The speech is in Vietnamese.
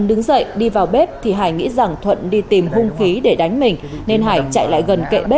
đứng dậy đi vào bếp thì hải nghĩ rằng thuận đi tìm hung khí để đánh mình nên hải chạy lại gần kệ bếp